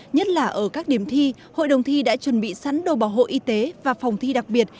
nhất là ở các điểm thi hội đồng thi đã chuẩn bị sẵn đồ bảo hộ y tế và phòng thi đặc biệt